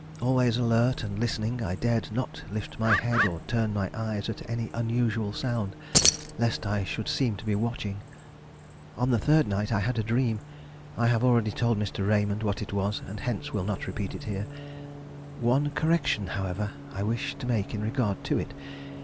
Always alert and listening, I dared not lift my head or turn my eyes at any unusual sound, lest I should seem to be watching. The third night I had a dream; I have already told Mr. Raymond what it was, and hence will not repeat it here. One correction, however, I wish to make in regard to it.